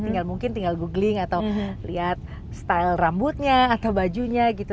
tinggal mungkin tinggal googling atau lihat style rambutnya atau bajunya gitu